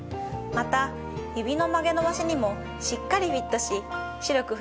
また指の曲げ伸ばしにもしっかりフィットし。